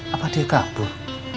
apa dia kabur